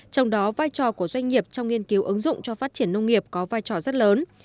trong đó vai trò của doanh nghiệp trong nghiên cứu ứng dụng cho phát triển nông nghiệp có vai trò rất lớn